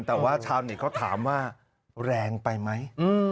แต่ว่าชาวเน็ตเขาถามว่าแรงไปไหม